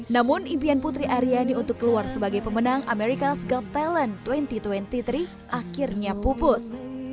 namun impian putri aryani untuk keluar sebagai pemenang ⁇ mericas ⁇ got talent dua ribu dua puluh tiga akhirnya pupus